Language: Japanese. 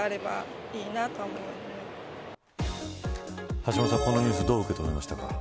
橋下さん、このニュースをどう受け止めましたか。